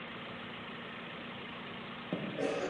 Only three of the nine children survived to adulthood.